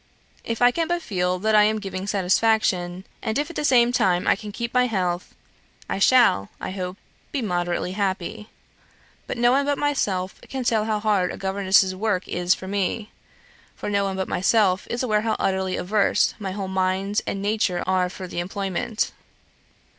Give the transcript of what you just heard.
If I can but feel that I am giving satisfaction, and if at the same time I can keep my health, I shall, I hope, be moderately happy. But no one but myself can tell how hard a governess's work is to me for no one but myself is aware how utterly averse my whole mind and nature are for the employment.